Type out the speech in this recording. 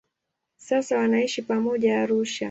Sasa wanaishi pamoja Arusha.